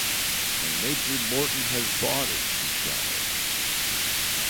“And Major Moreton has bought it!” she cried.